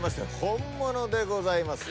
本物でございます。